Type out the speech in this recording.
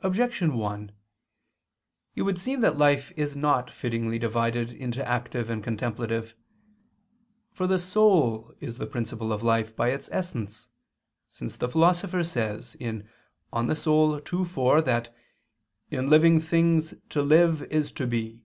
Objection 1: It would seem that life is not fittingly divided into active and contemplative. For the soul is the principle of life by its essence: since the Philosopher says (De Anima ii, 4) that "in living things to live is to be."